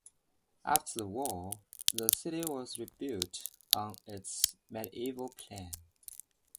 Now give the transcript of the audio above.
After the war, the city was rebuilt on its medieval plan.